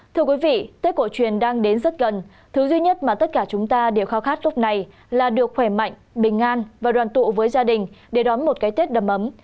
thưa quý vị tết cổ truyền đang đến rất gần thứ duy nhất mà tất cả chúng ta đều khao khát lúc này là được khỏe mạnh bình an và đoàn tụ với gia đình để đón một cái tết đầm ấm